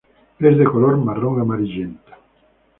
Es de color marrón amarillento.